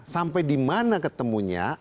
sampai dimana ketemunya